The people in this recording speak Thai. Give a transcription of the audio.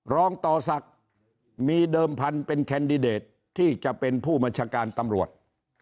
รองต่อศักดิ์มีเดิมพันธุ์เป็นแคนดิเดตที่จะเป็นผู้บัญชาการตำรวจ